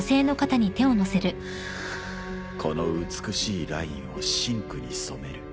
この美しいラインを真紅に染める。